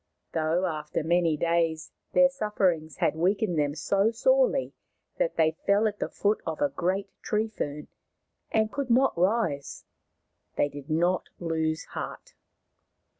Although after many days their sufferings had weakened them so sorely that they fell at the foot of a great tree fern and could not rise, they did not lose heart.